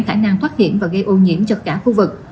khả năng thoát hiểm và gây ô nhiễm cho cả khu vực